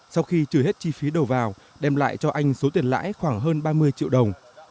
sau khi trừ hết chi phí đầu vào đem lại cho anh số tiền lãi khoảng hơn ba mươi triệu đồng